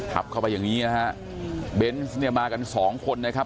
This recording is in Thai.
เข้าไปอย่างงี้นะฮะเบนส์เนี่ยมากันสองคนนะครับ